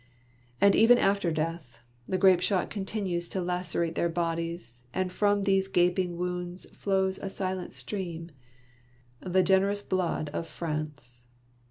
And even after death, the grapeshot continues to lacerate their bodies, and from those gaping wounds flows a silent stream, — the generous blood of France.